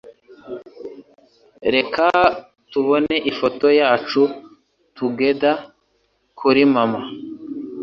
Reka tubone ifoto yacu togehter kuri mama.